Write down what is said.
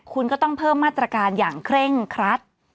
คุณก็ต้องเพิ่มมาตรการอย่างเคร่งครัด